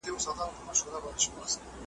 دلته به څه کړم غونچې د ګلو .